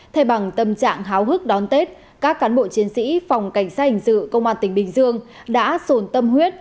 thay bằng tâm trạng háo hức đón tết các cán bộ chiến sĩ phòng cảnh sát hình sự công an tỉnh bình dương đã sồn tâm huyết